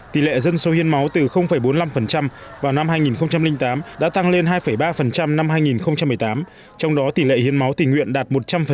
tỷ lệ dân số hiến máu từ bốn mươi năm vào năm hai nghìn tám đã tăng lên hai ba năm hai nghìn một mươi tám trong đó tỷ lệ hiến máu tỉnh nguyện đạt một trăm linh